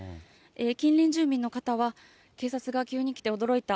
近隣住民の方は、警察が急に来て驚いた。